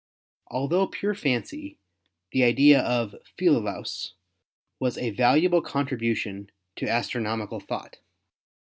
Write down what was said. Altho pure fancy, the idea of Philolaus was a valuable contribution to astronomical thought.